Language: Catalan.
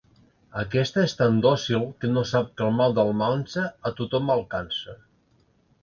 Aquesta és tan dòcil que no sap que el mal d'Almansa a tothom “alcança”.